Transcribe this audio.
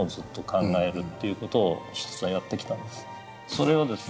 それをですね